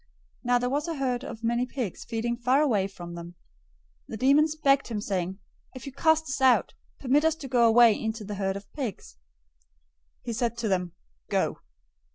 008:030 Now there was a herd of many pigs feeding far away from them. 008:031 The demons begged him, saying, "If you cast us out, permit us to go away into the herd of pigs." 008:032 He said to them, "Go!"